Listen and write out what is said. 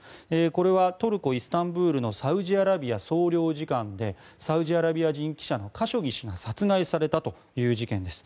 これはトルコ・イスタンブールのサウジアラビア総領事館でサウジアラビア人記者のカショギ氏が殺害されたという事件です。